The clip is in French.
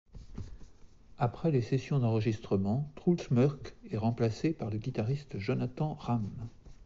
Après les sessions d'enregistrement, Truls Mörck est remplacé par le guitariste Jonatan Ramm.